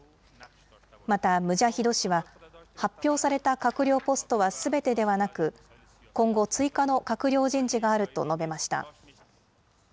また、ムジャヒド氏は、発表された閣僚ポストはすべてではなく、今後、追加の閣僚人事があると述べました。